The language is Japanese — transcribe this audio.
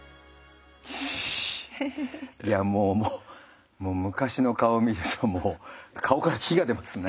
いやもう昔の顔を見ると顔から火が出ますね。